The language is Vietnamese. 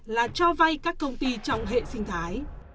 là cho vay các công ty trong hệ sinh thái